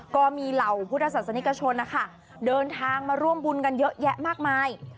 ก็มีเหล่าพุทธศาสนิกชนนะคะเดินทางมาร่วมบุญกันเยอะแยะมากมาย